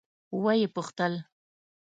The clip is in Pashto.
ويې پوښتل.